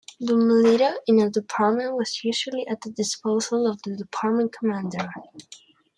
The militia in a department was usually at the disposal of the department commander.